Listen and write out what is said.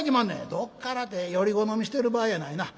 「どっからてより好みしてる場合やないな。